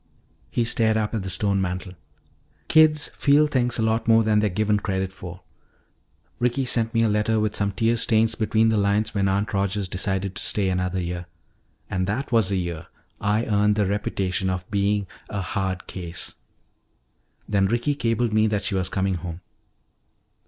He stared up at the stone mantel. "Kids feel things a lot more than they're given credit for. Ricky sent me a letter with some tear stains between the lines when Aunt Rogers decided to stay another year. And that was the year I earned the reputation of being a 'hard case.' "Then Ricky cabled me that she was coming home.